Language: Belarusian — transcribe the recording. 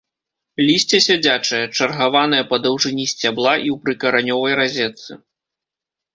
Лісце сядзячае, чаргаванае па даўжыні сцябла і ў прыкаранёвай разетцы.